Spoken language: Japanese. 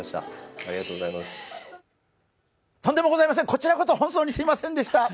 こちらこそ本当にすいませんでした。